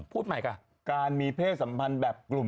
พูดใหม่ค่ะการมีเพศสัมพันธ์แบบกลุ่ม